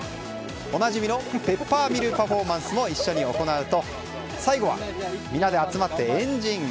おなじみのペッパーミルパフォーマンスも一緒に行うと最後はみんなで集まって円陣。